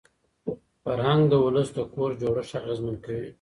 فرهنګ د ولس د کور جوړښت اغېزمن کوي.